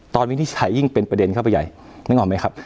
ตอนวิ่งที่ใช้ยิ่งเป็นประเด็นเข้าไปใหญ่นึกออกไหมครับ